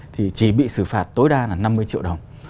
thì chỉ bị xử phạt tối đa là năm mươi triệu đồng